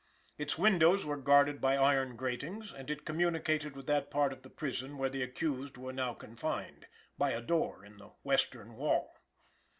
Its windows were guarded by iron gratings, and it communicated with that part of the prison where the accused were now confined, by a door in the western wall.